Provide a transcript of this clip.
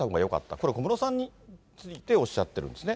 これ、小室さんについておっしゃっているんですね。